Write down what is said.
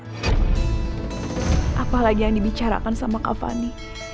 apalagi yang dibicarakan sama kak fanny